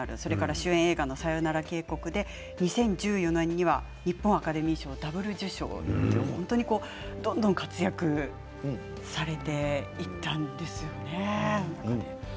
主演映画の「さよなら渓谷」で２０１４年に日本アカデミー賞でダブル受賞するなど本当に活躍されていったんですよね。